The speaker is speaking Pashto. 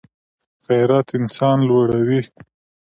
غیرت انسان لوړوي